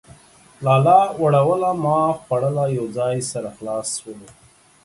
لالا وړوله ما خوړله ،. يو ځاى سره خلاص سولو.